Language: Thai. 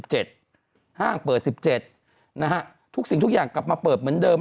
ห้างเปิด๑๗นะฮะทุกสิ่งทุกอย่างกลับมาเปิดเหมือนเดิม